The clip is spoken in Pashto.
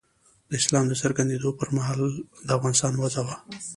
د اسلام د څرګندېدو پر مهال د افغانستان وضع وه.